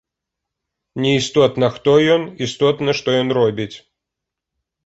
Неістотна, хто ён, істотна, што ён робіць.